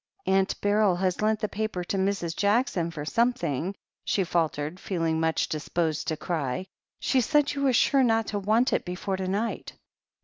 "Aunt Beryl has lent the paper to Mrs. Jackson for something," she faltered, feeling much disposed to cry. "She said you were sure not to want it before to night."